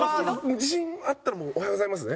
自信あったらもう「おはようございます」ね。